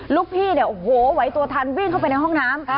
ลูกพี่เนี่ยโอ้โหไหวตัวทันวิ่งเข้าไปในห้องน้ำ